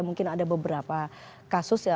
mungkin ada beberapa kasus ya